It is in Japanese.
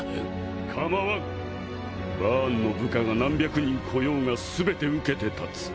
かまわんバーンの部下が何百人来ようがすべて受けて立つ。